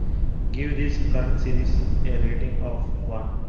Give this current series a rating of one.